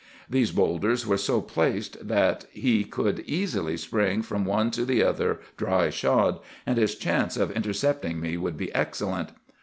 These bowlders were so placed that he could easily spring from one to the other dry shod, and his chance of intercepting me would be excellent.